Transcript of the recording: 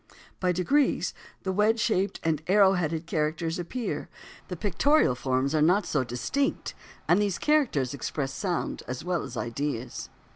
By degrees the wedge shaped and arrow headed characters appear, the pictorial forms are not so distinct and these characters express sound as well as ideas.